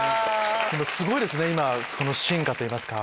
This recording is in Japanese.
すごいですね今の進化といいますか。